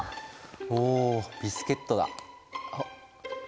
おビスケットだ。